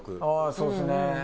「ああそうですね」